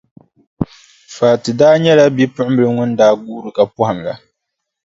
Fati daa nyɛla bipuɣimbila ŋun daa guuri ka pɔhim la.